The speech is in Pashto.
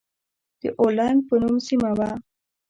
د اولنګ په نوم سيمه وه.